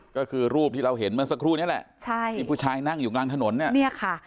ก็คือรูปที่เราเห็นเมื่อสักครู่นี้แหละใช่ที่ผู้ชายนั่งอยู่กลางถนนเนี่ยค่ะ